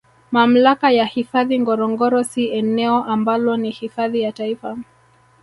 Mamlaka ya hifadhi Ngorongoro si eneo ambalo ni hifadhi ya Taifa